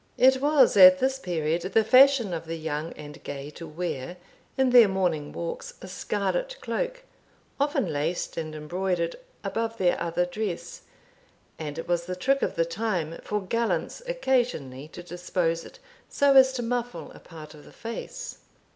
It was at this period the fashion of the young and gay to wear, in their morning walks, a scarlet cloak, often laced and embroidered, above their other dress, and it was the trick of the time for gallants occasionally to dispose it so as to muffle a part of the face.